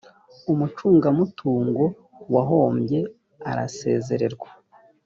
umucungamutungo wahombye arasezererwa.